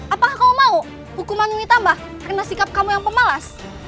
apakah kau mau hukuman ini ditambah karena sikap kamu yang pemalas